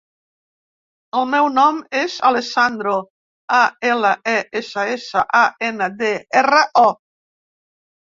El meu nom és Alessandro: a, ela, e, essa, essa, a, ena, de, erra, o.